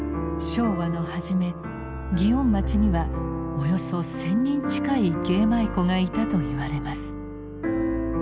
昭和の初め祇園町にはおよそ１，０００人近い芸舞妓がいたといわれます。